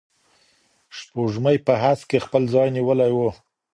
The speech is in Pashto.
سپوږمۍ په هسک کي خپل ځای نیولی و.